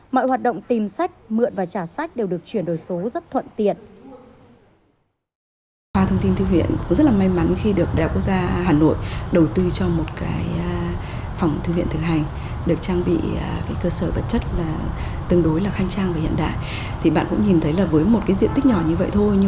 mọi hoạt động tìm sách mượn và trả sách đều được chuyển đổi số rất thuận tiện